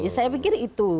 saya pikir itu